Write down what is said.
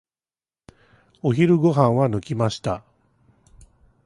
お昼ご飯は抜きました。